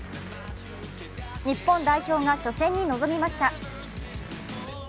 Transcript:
日本代表が初戦に臨みました。